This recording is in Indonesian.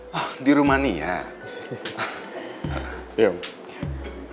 kamu sudah mengenal ulan sebelumnya